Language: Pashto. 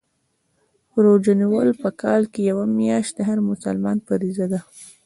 روژه نیول په کال کي یوه میاشت د هر مسلمان فریضه ده